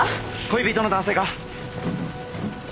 恋人の男性が。